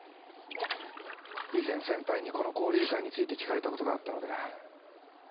以前先輩にこの交流会について聞かれたことがあったので。